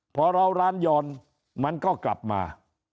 พอเราร้านยอนมันก็กลับมา